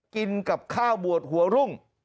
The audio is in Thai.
กินกับข้าวบวชหัวรุ่ง